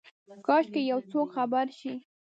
کاشکي یوڅوک خبر شي،